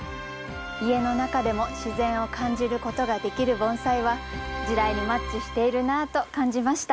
家の中でも自然を感じることができる盆栽は時代にマッチしているなと感じました